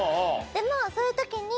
でもそういう時に。